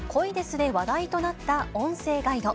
で話題となった音声ガイド。